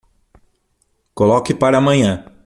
Coloque para amanhã.